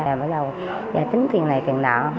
rồi bắt đầu tính tiền này tiền nào